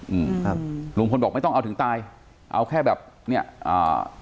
อืมครับลุงพลบอกไม่ต้องเอาถึงตายเอาแค่แบบเนี้ยอ่า